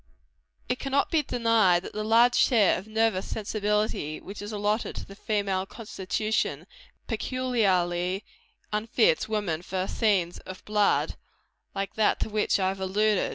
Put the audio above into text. It cannot be denied that the large share of nervous sensibility which is allotted to the female constitution, peculiarly unfits woman for scenes of blood, like that to which I have alluded.